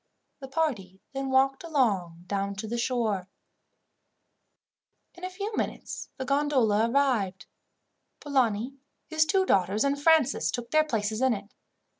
The party then walked along down to the shore. In a few minutes the gondola arrived. Polani, his two daughters, and Francis took their places in it.